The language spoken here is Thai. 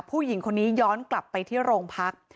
ผู้หญิงคนนี้ย้อนกลับไปที่โรงพัก